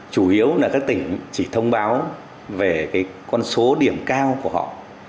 chủ yếu là các tỉnh chỉ thông báo về con số điểm cao của họ